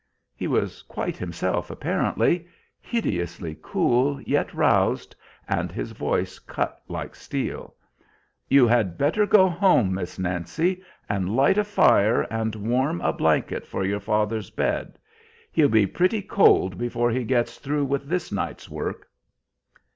He was quite himself apparently, hideously cool, yet roused, and his voice cut like steel. "You had better go home, Miss Nancy, and light a fire and warm a blanket for your father's bed. He'll be pretty cold before he gets through with this night's work."